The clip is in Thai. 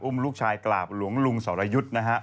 ลูกชายกราบหลวงลุงสรยุทธ์นะฮะ